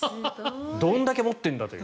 どんだけ持っているんだと。